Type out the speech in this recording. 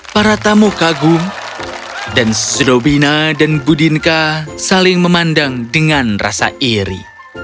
para tamu kagum dan strobina dan budinka saling memandang dengan rasa iri